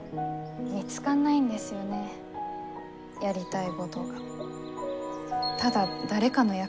見つかんないんですよねやりたいごどが。